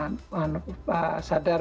mengeduk kita pekerjanya untuk lebih sadar